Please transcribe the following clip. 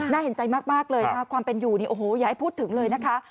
น่าเห็นใจมากเลยความเป็นอยู่อย่าให้พูดถึงเลยนะคะ